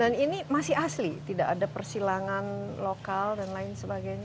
dan ini masih asli tidak ada persilangan lokal dan lain sebagainya